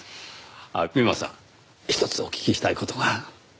あっ美馬さんひとつお聞きしたい事が。